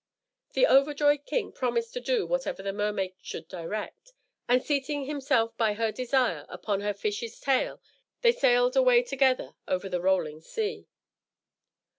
The overjoyed king promised to do whatever the mermaid should direct, and seating himself by her desire upon her fish's tail, they sailed away together over the rolling sea.